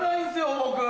僕。